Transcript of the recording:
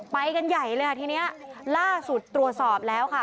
ไปกันใหญ่เลยค่ะทีนี้ล่าสุดตรวจสอบแล้วค่ะ